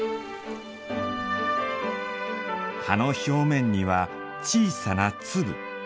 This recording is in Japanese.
葉の表面には小さな粒。